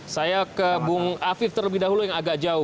saya ke bung afif terlebih dahulu yang agak jauh